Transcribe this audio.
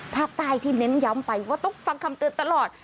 ภาคใต้ที่เน้นย้ำไปว่าต้องฟังคำเตือนตลอด